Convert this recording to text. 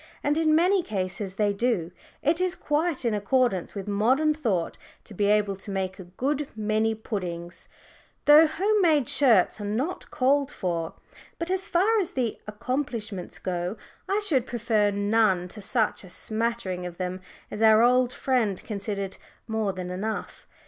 And in many cases they do. It is quite in accordance with modern thought to be able to make a good many "puddings," though home made shirts are not called for. But as far as the "accomplishments" go, I should prefer none to such a smattering of them as our old friend considered more than enough.